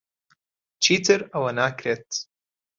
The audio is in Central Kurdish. چیتر ئەوە ناکرێت.